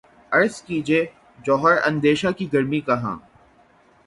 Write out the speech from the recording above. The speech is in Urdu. عرض کیجے جوہر اندیشہ کی گرمی کہاں